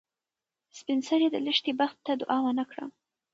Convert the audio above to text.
سپین سرې د لښتې بخت ته دعا ونه کړه.